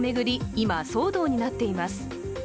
今、騒動になっています。